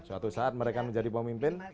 suatu saat mereka menjadi pemimpin